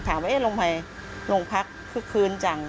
ถามว่าเอ๊ะลงไปโรงพักคือคืนจัง